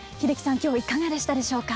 今日はいかがでしたでしょうか？